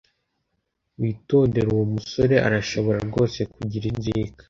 Witondere. Uwo musore arashobora rwose kugira inzika.